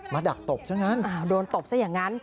มาดักตบซะอย่างนั้นโดนตบซะอย่างนั้น